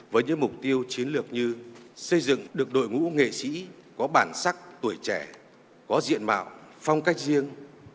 với những mục tiêu chiến lược như xây dựng được đội ngũ nghệ sĩ có bản sắc tuổi trẻ có diện mạo phong cách riêng